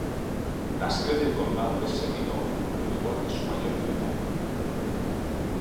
La sede del condado es Seminole, al igual que su mayor ciudad.